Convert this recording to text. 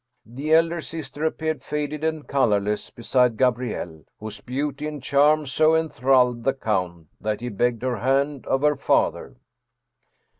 The elder sister appeared faded and col orless beside Gabrielle, whose beauty and charm so en thralled the count that he begged her hand of her father.